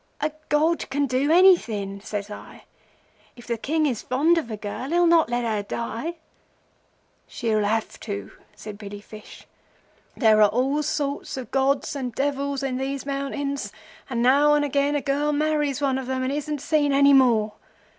"'A god can do anything,' says I. 'If the King is fond of a girl he'll not let her die.' 'She'll have to,' said Billy Fish. 'There are all sorts of gods and devils in these mountains, and now and again a girl marries one of them and isn't seen any more.